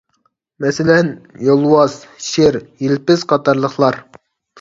مەسىلەن: يولۋاس، شىر، يىلپىز قاتارلىقلار.